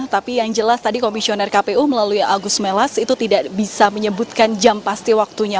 tapi yang jelas tadi komisioner kpu melalui agus melas itu tidak bisa menyebutkan jam pasti waktunya